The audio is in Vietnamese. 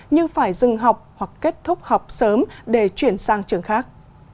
như phải dừng học hoặc kết thúc học sớm để chuyển sang trường khác